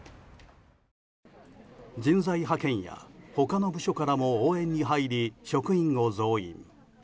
人材派遣や他の部署からも応援に入り職員を増員。